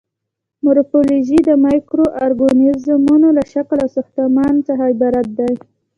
مورفولوژي د مایکرو ارګانیزمونو له شکل او ساختمان څخه عبارت دی.